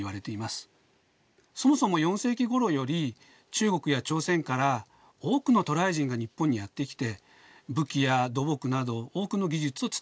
そもそも４世紀ごろより中国や朝鮮から多くの渡来人が日本にやって来て武器や土木など多くの技術を伝えていました。